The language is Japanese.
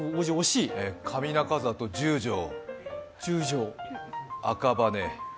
上中里、十条、赤羽。